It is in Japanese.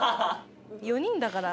４人だから。